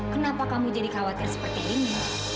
kenapa kamu jadi khawatir seperti ini